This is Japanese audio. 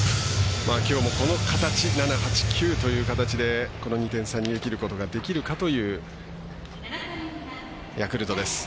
きょうもこの形７、８、９という形でこの２点差逃げきることができるかというヤクルトです。